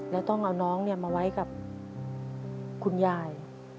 แล้วต้องเอาน้องมาไว้กับคุณยาย